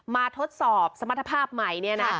ทดสอบสมรรถภาพใหม่เนี่ยนะ